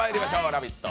「ラヴィット！」